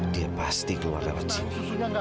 dia pasti keluar lewat sini